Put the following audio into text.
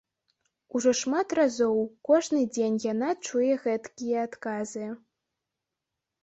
Ужо шмат разоў, кожны дзень яна чуе гэткія адказы.